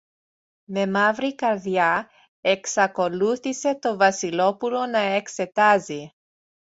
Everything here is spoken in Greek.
Με μαύρη καρδιά εξακολούθησε το Βασιλόπουλο να εξετάζει.